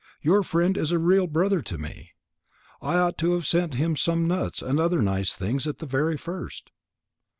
Your friend is a real brother to me. I ought to have sent him some nuts and other nice things at the very first."